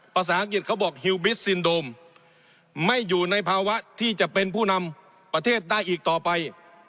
ภาษาอังกฤษเขาบอกฮิลบิสซินโดมไม่อยู่ในภาวะที่จะเป็นผู้นำประเทศได้อีกต่อไป